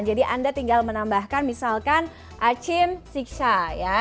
jadi anda tinggal menambahkan misalkan achim siksa ya